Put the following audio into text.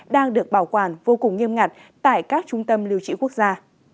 đang được bảo quản vô cùng nghiêm ngặt tại các trung tâm liêu chữ quốc gia